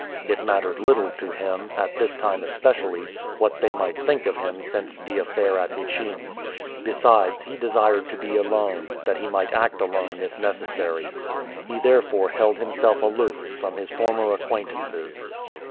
It mattered little to him, at this time especially, what they might think of him since the affair at Ichim. Besides, he desired to be alone, that he might act alone, if necessary. He therefore held himself aloof from his former acquaintances.